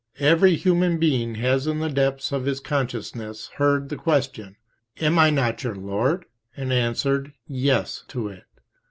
Every human being has in the depths of his consciousness heard the question "Am I not your Lord?" and answered "Yes" to it.